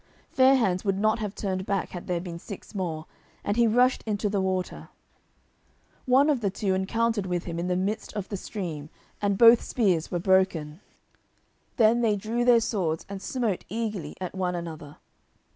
Fair hands would not have turned back had there been six more, and he rushed into the water. One of the two encountered with him in the midst of the stream, and both spears were broken. Then they drew their swords and smote eagerly at one another.